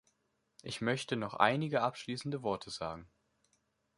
Ich möchte noch einige abschließende Worte sagen.